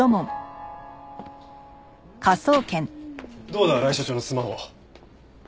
どうだ新井所長のスマホ。